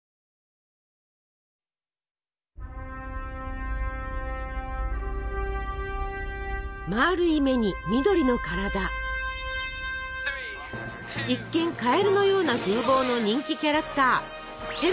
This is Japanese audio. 一見カエルのような風貌の人気キャラクターケロロ軍曹です。